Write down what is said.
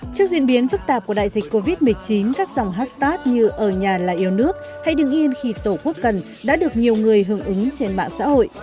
trước diễn biến phức tạp của đại dịch covid một mươi chín các dòng hashtag như ở nhà là yêu nước hay đừng yên khi tổ quốc cần đã được nhiều người hưởng ứng trên mạng xã hội